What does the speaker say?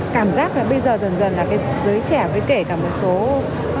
cảm giác là bây giờ dần dần là cái giới trẻ với kể cả một số